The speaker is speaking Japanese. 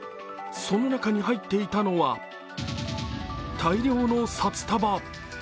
その中に入っていたのは大量の札束。